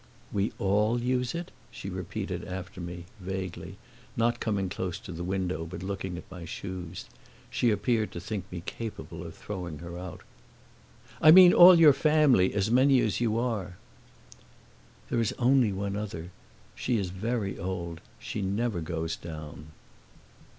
"We all use it?" she repeated after me, vaguely, not coming close to the window but looking at my shoes. She appeared to think me capable of throwing her out. "I mean all your family, as many as you are." "There is only one other; she is very old she never goes down."